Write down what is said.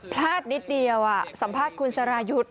พลาดนิดเดียวสัมภาษณ์คุณสรายุทธ์